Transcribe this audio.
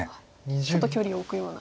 ちょっと距離を置くような。